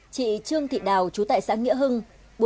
chị trương thị đào trú tại xã nghĩa hưng